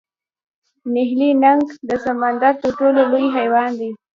نیلي نهنګ د سمندر تر ټولو لوی حیوان دی